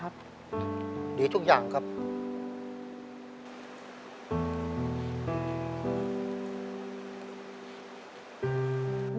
แต่ที่แม่ก็รักลูกมากทั้งสองคน